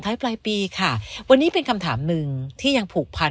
ท้ายปลายปีค่ะวันนี้เป็นคำถามหนึ่งที่ยังผูกพัน